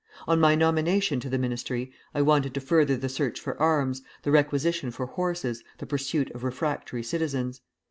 On my nomination to the ministry I wanted to further the search for arms, the requisition for horses, the pursuit of refractory citizens.